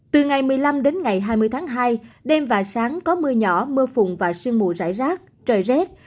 từ ngày một mươi năm đến ngày hai mươi tháng hai đêm và sáng có mưa nhỏ mưa phùng và sương mù rải rác trời rét